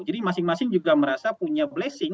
jadi masing masing juga merasa punya blessing